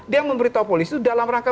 dia memberitahu polisi dalam rangka